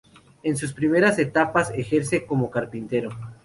En sus primeras etapas ejerce como carpintero.